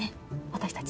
私たち。